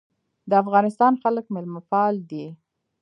د افغانستان خلک میلمه پال دي